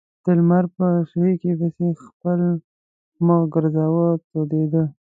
د لمر په څړیکې پسې خپل مخ ګرځاوه تودېده.